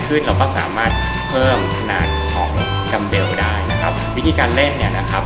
เราก็สามารถเพิ่มขนาดของกัมเบลได้นะครับวิธีการเล่นเนี่ยนะครับ